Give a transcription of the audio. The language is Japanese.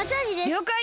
りょうかい！